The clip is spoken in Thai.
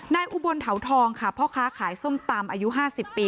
อุบลเถาทองค่ะพ่อค้าขายส้มตำอายุ๕๐ปี